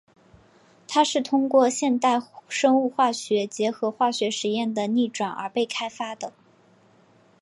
它是通过现代生物化学结合化学实验的逆转而被开发的。